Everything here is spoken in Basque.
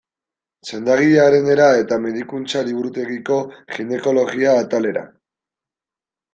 Sendagilearenera eta medikuntza-liburutegiko ginekologia atalera.